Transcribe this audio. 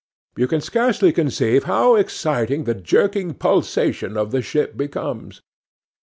You can scarcely conceive how exciting the jerking pulsation of the ship becomes.